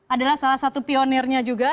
adalah salah satu pionirnya juga